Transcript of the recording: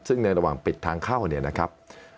ซึ่งในระหว่างปิดทางเข้าเนี่ยนะครับ